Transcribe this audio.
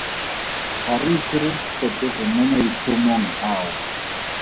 Ga re ise re fetoge mo maitlhomong ao.